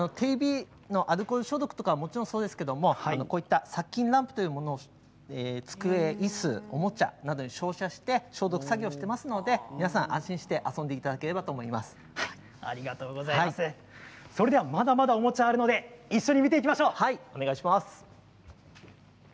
アルコール消毒はもちろんですけれど殺菌ランプというもので机、いす、おもちゃなど照射して消毒作業していますので皆さん安心して遊んでいただければとまだまだおもちゃがありますので一緒に見ていきましょう。